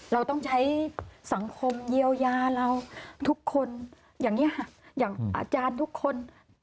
เราต้องใช้สังคมเยียวยาเราทุกคนอย่างนี้ค่ะอย่างอาจารย์ทุกคน